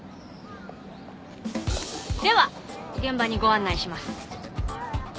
では現場にご案内します。